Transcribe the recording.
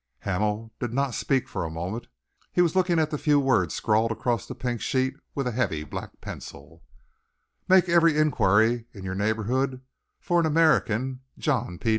Hamel did not speak for a moment. He was looking at the few words scrawled across the pink sheet with a heavy black pencil: "Make every enquiry in your neighbourhood for an American, John P.